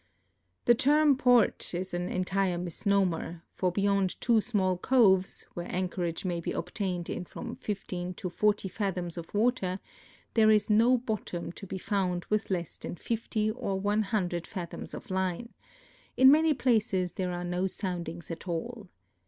The term port is an entire misnomer, for beyond two small coves, where anchorage may be obtained in from 15 to 40 fathoms of Avater, there is no bottom to be found with less than 50 or 100 fathoms of line; in man}' places there are no soundings at all.